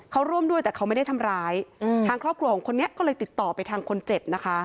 เขาร่วมด้วยแต่เขาไม่ได้ทำร้ายทางครอบครัวของคนนี้ก็เลยติดต่อไปทางคนเจ็บนะคะ